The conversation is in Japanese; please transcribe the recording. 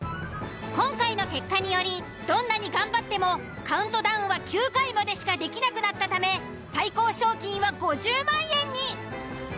今回の結果によりどんなに頑張ってもカウントダウンは９回までしかできなくなったため最高賞金は５０万円に。